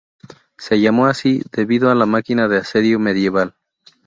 Se llamó así debido a la máquina de asedio medieval.